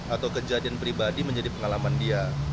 atau kejadian pribadi menjadi pengalaman dia